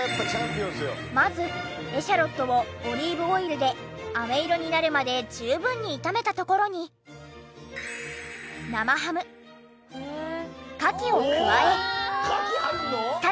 まずエシャロットをオリーブオイルであめ色になるまで十分に炒めたところに生ハムカキを加えさらに。